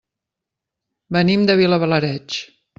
Venim de Vilablareix.